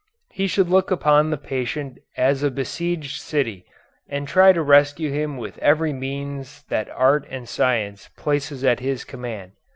He should look upon the patient as a besieged city, and try to rescue him with every means that art and science places at his command.